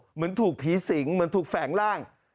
เหมือนถูกผีสิงเหมือนถูกแฝงร่าง